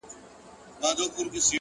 نوك د زنده گۍ مو لكه ستوري چي سركښه سي،